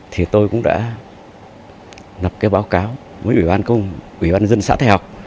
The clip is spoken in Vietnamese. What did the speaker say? thì tôi cũng đã nập cái báo cáo với ủy ban công ủy ban dân xã thẻ học